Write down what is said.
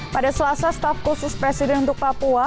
pada selasa staf khusus presiden untuk papua